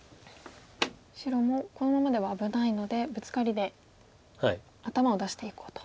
白もこのままでは危ないのでブツカリで頭を出していこうと。